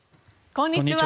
こんにちは。